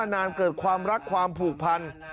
ในสำราลลาบ